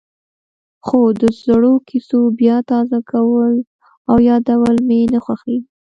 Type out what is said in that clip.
خو د زړو کېسو بیا تازه کول او یادول مې نه خوښېږي.